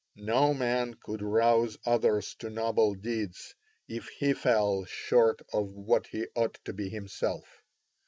No man could rouse others to noble deeds if he fell short of what he ought to be himself.